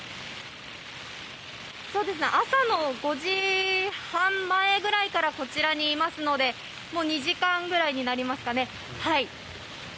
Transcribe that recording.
朝の５時半前くらいからこちらにいますのでもう２時間くらいになりますね。